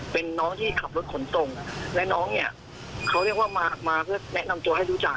เป็นน้องที่ขับรถขนส่งและน้องเนี่ยเขาเรียกว่ามามาเพื่อแนะนำตัวให้รู้จัก